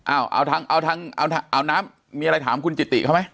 อ้าวเอาทั้งเอาทั้งเอาทั้งเอาน้ำมีอะไรถามคุณจิตติเขาไหม